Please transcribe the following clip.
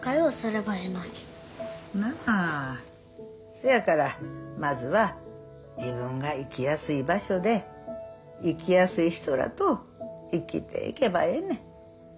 そやからまずは自分が生きやすい場所で生きやすい人らと生きていけばええねん。